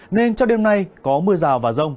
nên cho đêm nay có mưa rào và rông